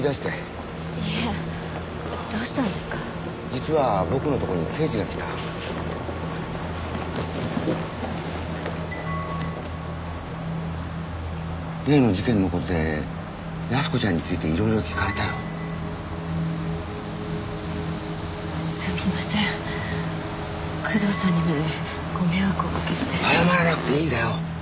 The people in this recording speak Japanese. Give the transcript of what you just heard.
実は僕の所に刑事が来た例の事件のことで靖子ちゃんについていろいろ聞かれたよすみません工藤さんにまでご迷惑をお掛けして謝らなくていいんだよ